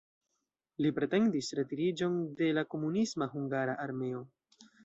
Li pretendis retiriĝon de la komunisma hungara armeo.